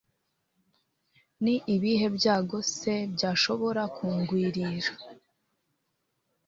ni ibihe byago se byashobora kungwirira